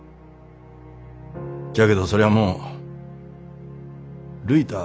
じゃけどそりゃあもうるいたあ